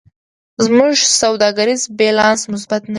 زموږ سوداګریز بیلانس مثبت نه دی.